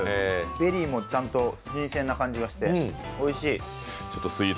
ベリーも新鮮な感じがして、おいしい。